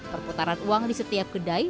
perputaran uang di setiap kedai